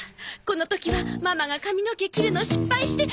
この時はママが髪の毛切るの失敗して。